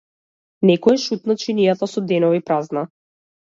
Некој ја шутна чинијата со денови празна.